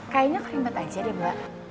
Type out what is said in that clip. kayaknya krim bat aja deh mbak